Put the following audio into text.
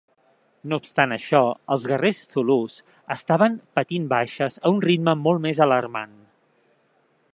No obstant això, els guerrers zulus estaven patint baixes a un ritme molt més alarmant.